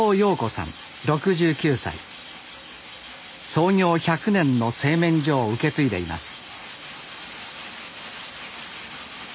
創業１００年の製麺所を受け継いでいます。